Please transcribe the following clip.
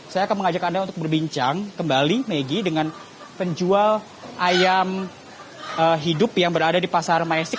saya akan mengajak anda untuk berbincang kembali maggie dengan penjual ayam hidup yang berada di pasar majestik